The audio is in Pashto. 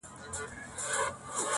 • په سینو کي یې ځای ونیوی اورونو -